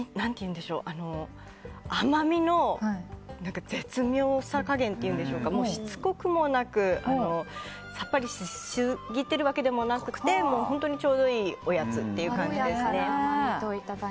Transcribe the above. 甘みの絶妙さ加減というんでしょうかしつこくもなくさっぱりしすぎてるわけでもなく本当にちょうどいいおやつという感じですね。